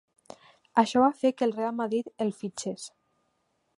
Això va fer que el Real Madrid el fitxés.